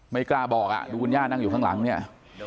ไม่กล้าบอกอ่ะดูคุณย่านั่งอยู่ข้างหลังเนี่ย